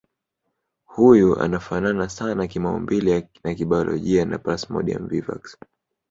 Huyu anafanana sana kimaumbile na kibayolojia na Plasmodium vivax